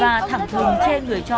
và thẳng hùng chê người cho quá ít